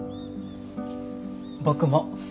僕も。